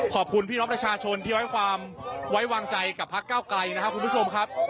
ขอบคุณพี่น้องประชาชนที่ไว้ความไว้วางใจกับพักเก้าไกลนะครับคุณผู้ชมครับ